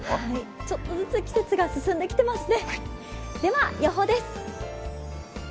ちょっとずつ季節が進んできてますね。